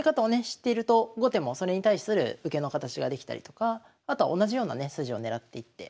知っていると後手もそれに対する受けの形ができたりとかあとは同じようなね筋を狙っていって。